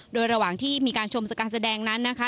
โดยระหว่างที่มีการชมการแสดงนั้นนะคะ